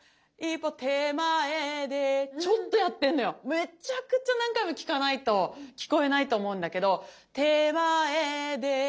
めちゃくちゃ何回も聞かないと聞こえないと思うんだけど「手前で」